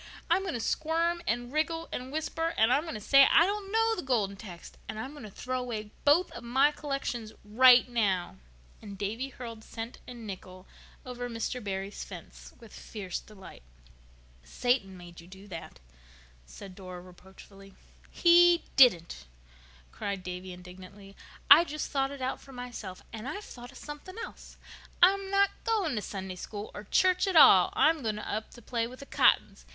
I'm going to squirm and wriggle and whisper, and I'm going to say I don't know the Golden Text. And I'm going to throw away both of my collections right now." And Davy hurled cent and nickel over Mr. Barry's fence with fierce delight. "Satan made you do that," said Dora reproachfully. "He didn't," cried Davy indignantly. "I just thought it out for myself. And I've thought of something else. I'm not going to Sunday School or church at all. I'm going up to play with the Cottons.